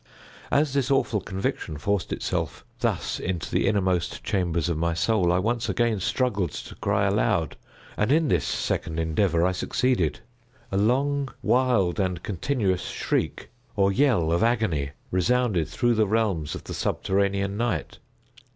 As this awful conviction forced itself, thus, into the innermost chambers of my soul, I once again struggled to cry aloud. And in this second endeavor I succeeded. A long, wild, and continuous shriek, or yell of agony, resounded through the realms of the subterranean Night.